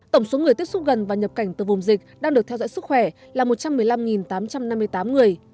tổng số người tiếp xúc gần và nhập cảnh từ vùng dịch đang được theo dõi sức khỏe là một trăm một mươi năm tám trăm năm mươi tám người